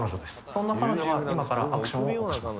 そんな彼女が今からアクションを起こします